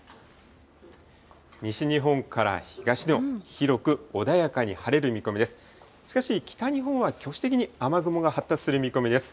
西日本から東日本、広く穏やかに晴れる見込みです。